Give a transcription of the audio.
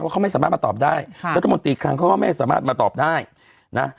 เขาไม่สามารถมาตอบได้รัฐมนตรีครั้งเขาก็ไม่สามารถมาตอบได้นะ